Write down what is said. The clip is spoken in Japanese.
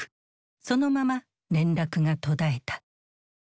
そのまま連絡が途絶えた。